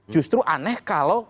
justru aneh kalau